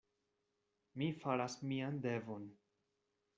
Mi faras mian devon.